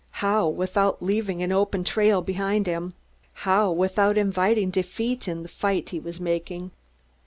How, without leaving an open trail behind him? How, without inviting defeat in the fight he was making?